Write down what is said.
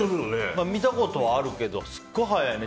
見たことはあるけどすっごい速いね